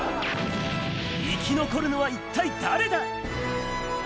生き残るのは一体誰だ？